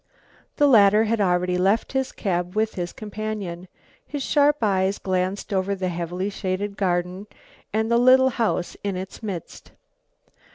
The latter had already left his cab with his companion. His sharp eyes glanced over the heavily shaded garden and the little house in its midst.